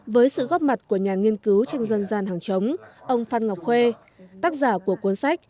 với sự góp mặt của nhà nghiên cứu tranh dân gian hàng chống ông phan ngọc khuê tác giả của cuốn sách